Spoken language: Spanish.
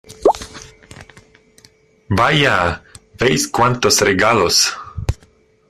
¡ Vaya, veis cuántos regalos!